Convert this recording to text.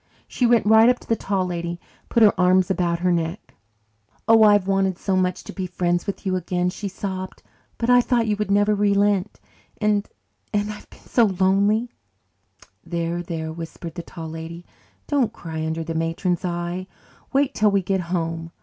She went right up to the Tall Lady and put her arms about her neck. "Oh, I've wanted so much to be friends with you again," she sobbed. "But I thought you would never relent and and I've been so lonely " "There, there," whispered the Tall Lady, "don't cry under the matron's eye. Wait till we get home.